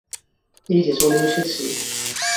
এই যে চলে এসেছি।